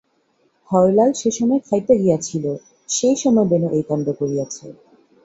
হরলাল সে সময় খাইতে গিয়াছিল সেই সময় বেণু এই কাণ্ড করিয়াছে।